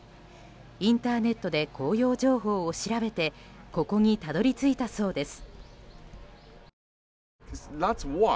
インターネットで紅葉情報を調べてここにたどり着いたそうです。